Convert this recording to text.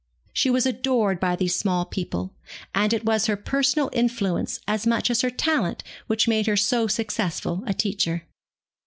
She was adored by these small people, and it was her personal influence as much as her talent which made her so successful a teacher.